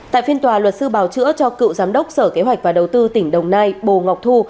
tại phiên tòa luật sư bào chữa cho cựu giám đốc sở kế hoạch và đầu tư tỉnh đồng nai bồ ngọc thu